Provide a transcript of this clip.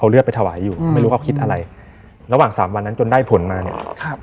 ระหว่างสามวันนั้นจนได้ผลมาเนี่ย